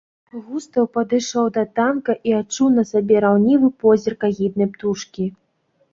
Густаў падышоў да танка і адчуў на сабе раўнівы позірк агіднай птушкі.